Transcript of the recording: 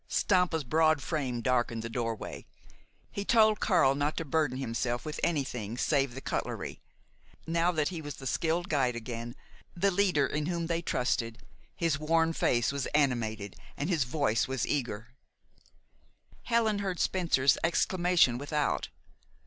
Stampa's broad frame darkened the doorway. He told Karl not to burden himself with anything save the cutlery. Now that he was the skilled guide again, the leader in whom they trusted, his worn face was animated and his voice eager. Helen heard Spencer's exclamation without.